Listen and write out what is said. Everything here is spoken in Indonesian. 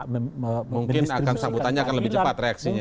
mungkin akan sambutannya akan lebih cepat reaksinya